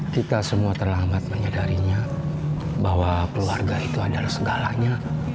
kita semua terlambat menyadarinya bahwa keluarga itu adalah segalanya